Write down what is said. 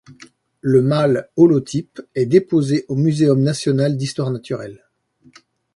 Le mâle holotype est déposé au Muséum national d'histoire naturelle.